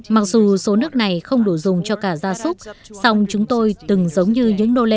mặc dù số nước này không đủ dùng cho cả gia súc song chúng tôi từng giống như những đô la